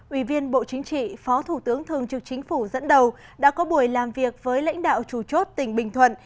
ủy viên bộ chính trị phó thủ tướng thường trực chính phủ dẫn đầu đã có buổi làm việc với lãnh đạo chủ chốt tỉnh bình thuận